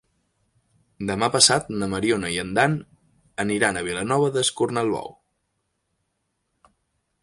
Demà passat na Mariona i en Dan aniran a Vilanova d'Escornalbou.